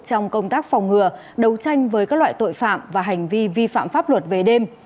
trong công tác phòng ngừa đấu tranh với các loại tội phạm và hành vi vi phạm pháp luật về đêm